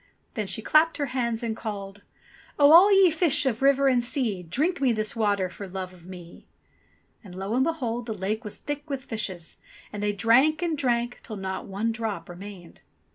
Then she clapped her hands and called : "Oh ! all ye fish of river and sea, Drink me this water for love of me I" And lo and behold ! the lake was thick with fishes. And they drank and drank, till not one drop remained.